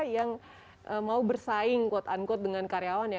yang mau bersaing quote unquote dengan karyawan ya